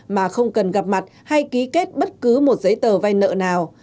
mà không cần gặp mặt hay ký kết bất cứ một giấy tờ vay nợ nào